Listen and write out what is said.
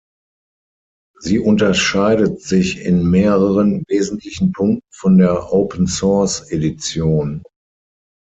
Sie unterscheidet sich in mehreren, wesentlichen Punkten von der Open-Source-Edition.